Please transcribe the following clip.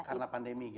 karena pandemi gitu